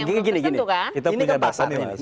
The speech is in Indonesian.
sekarang kan prn ngambil yang lain